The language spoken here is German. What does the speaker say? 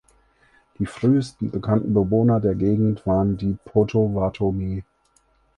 Die frühesten bekannten Bewohner der Gegend waren die Potawatomi.